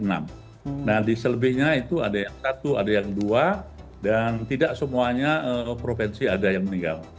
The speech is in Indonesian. nah di selebihnya itu ada yang satu ada yang dua dan tidak semuanya provinsi ada yang meninggal